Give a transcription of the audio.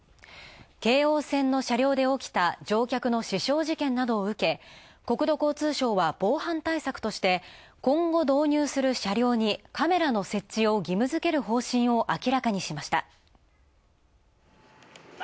京王線の車両で起きた乗客の刺傷事件などを受け国土交通省は防犯対策として今後、導入する車両にカメラの設置を義務づける方針を明らかにしました。